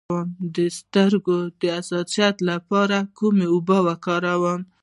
د سترګو د حساسیت لپاره کومې اوبه وکاروم؟